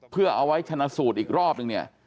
เพื่อเอาไว้ชนะสูตรอีกรอบนึงเนี่ย